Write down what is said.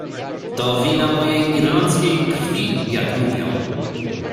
"To wina mojej irlandzkiej krwi, jak mówią."